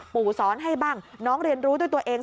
สอนให้บ้างน้องเรียนรู้ด้วยตัวเอง